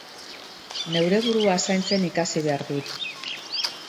Neure burua zaintzen ikasi behar dut.